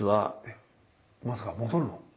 えっまさか戻るの？